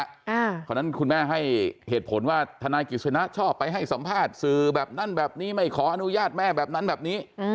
เพราะฉะนั้นคุณแม่ให้เหตุผลว่าธนายกิจสนะชอบไปให้สัมภาษณ์สื่อแบบนั้นแบบนี้ไม่ขออนุญาตแม่แบบนั้นแบบนี้